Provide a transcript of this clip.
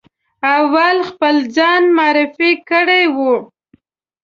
اول خپل ځان معرفي کړی وي.